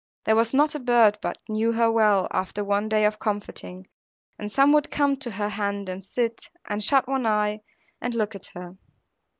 There was not a bird but knew her well, after one day of comforting; and some would come to her hand, and sit, and shut one eye, and look at her.